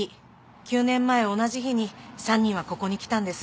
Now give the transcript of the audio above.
９年前同じ日に３人はここに来たんです。